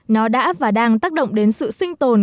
nó đã và đang tác động đến sự sinh tồn